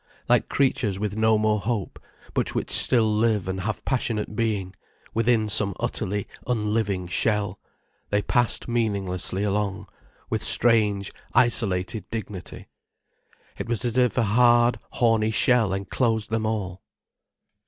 Like creatures with no more hope, but which still live and have passionate being, within some utterly unliving shell, they passed meaninglessly along, with strange, isolated dignity. It was as if a hard, horny shell enclosed them all.